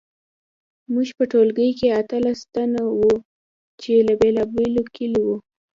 موږ په ټولګي کې اتلس تنه وو چې له بیلابیلو کلیو وو